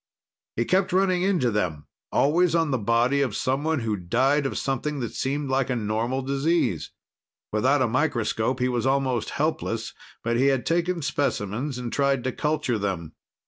He kept running into them always on the body of someone who died of something that seemed like a normal disease. Without a microscope, he was almost helpless, but he had taken specimens and tried to culture them.